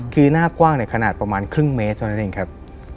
คือหน้ากว้างขนาดประมาณครึ่งเมตรเท่านั้นเองครับ